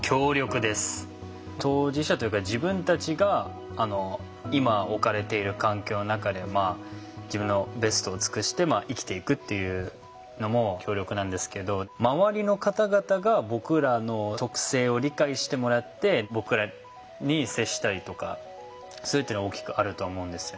当事者というか自分たちが今置かれている環境の中で自分のベストを尽くして生きていくっていうのも協力なんですけど周りの方々が僕らの特性を理解してもらって僕らに接したりとかするというのは大きくあると思うんですよね。